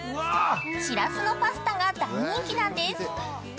シラスのパスタが大人気なんです。